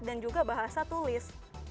dan juga bahasa tulis